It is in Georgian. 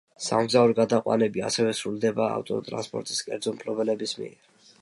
სამგზავრო გადაყვანები ასევე სრულდება ავტოტრანსპორტის კერძო მფლობელების მიერ.